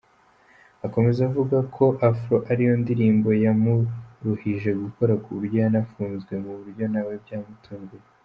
Akomeza avuga ko ‘Afro’ ariyo ndirimbo yamuruhije gukora kuburyo yanafunzwe mu buryo nawe bwamutunguye.